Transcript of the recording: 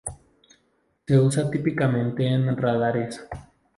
Se usa típicamente en radares.